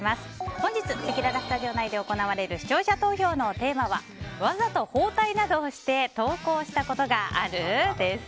本日、せきららスタジオ内で行われる視聴者投票のテーマはわざと包帯などをして登校したことがある？です。